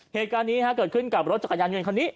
เหตุการณ์นี้เกิดขึ้นกับรถจักรยานยนต์คันนี้